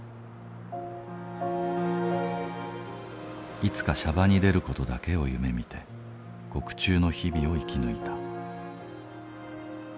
いつか娑婆に出る事だけを夢みて獄中の日々を生き抜いた。